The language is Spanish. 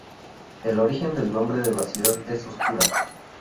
El origen del nombre de la ciudad es oscura.